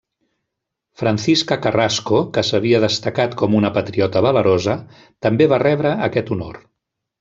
Francisca Carrasco, que s'havia destacat com una patriota valerosa, també va rebre aquest honor.